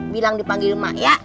bilang dipanggil ma ya